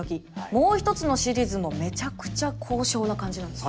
もう一つのシリーズもめちゃくちゃ高尚な感じなんです。